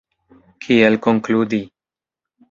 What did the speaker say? Kiel konkludi?